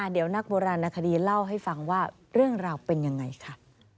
เดี๋ยวนักโบราณคดีเล่าให้ฟังว่าเรื่องราวเป็นยังไงค่ะ